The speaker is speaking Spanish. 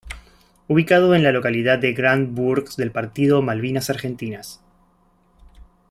Ubicado en la localidad de Grand Bourg del partido Malvinas Argentinas.